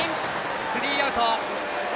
スリーアウト！